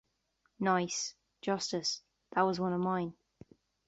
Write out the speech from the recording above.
Nice, Justus! That was one of mine.